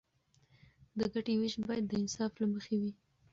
د ګټې ویش باید د انصاف له مخې وي.